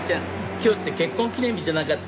今日って結婚記念日じゃなかった？